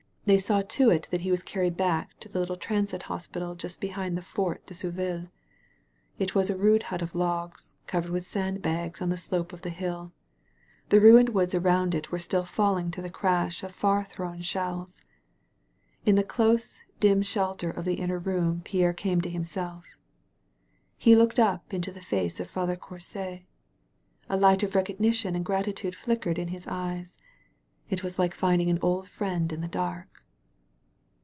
They saw to it that he was carried back to the little transit hospital just behind the Fort de Souville. It was a rude hut of logs, covered with sand bags^ on the slope of the hill. The ruined woods around it were still falling to the crash of far thrown shells. In the close, dim shelter of the inner room Pierre came to himself. He looked up into the face of Father Courcy. A light of recognition and gratitude flickered in his eyes. It was like finding an old friend in the dark.